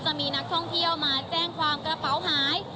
จะมีนักท่องเที่ยวมาแจ้งความกระเป๋าหาย